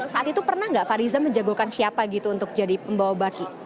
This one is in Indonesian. saat itu pernah nggak fariza menjagolkan siapa gitu untuk jadi pembawa baki